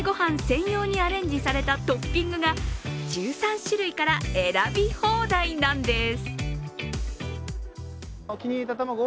専用にアレンジされたトッピングが１３種類から選び放題なんです。